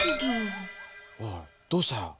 おいどうした？